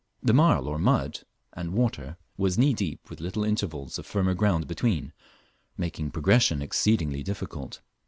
The marl or mud and water was knee deep with little intervals of firmer ground between, making progression exceedingly difficult.